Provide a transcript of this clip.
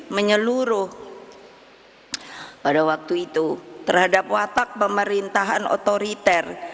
menyeluruh pada waktu itu terhadap watak pemerintahan otoriter